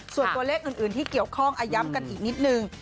ส่วนตัวเลขอื่นที่เกี่ยวข้องย้ำกันอีกนิดนึง